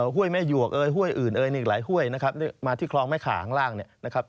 ห้วยแม่หยวกห้วยอื่นหลายห้วยนะครับมาที่คลองแม่ขาข้างล่างนะครับ